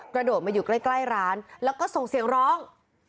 กระโดดมาอยู่ใกล้ร้านแล้วก็ส่งเสียงร้อง